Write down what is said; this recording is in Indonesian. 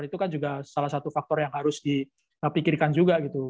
itu kan juga salah satu faktor yang harus dipikirkan juga gitu